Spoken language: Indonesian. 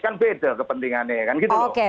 kan beda kepentingannya